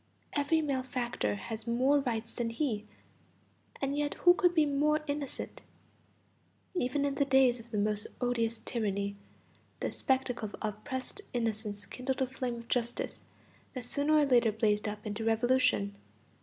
Every malefactor has more rights than he; and yet who could be more innocent? Even in the days of the most odious tyranny, the spectacle of oppressed innocence kindled a flame of justice that sooner or later blazed up into revolution.